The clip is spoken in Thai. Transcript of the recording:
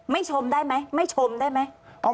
ชมได้ไหมไม่ชมได้ไหม